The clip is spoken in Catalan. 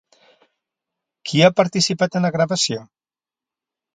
Qui ha participat en la gravació?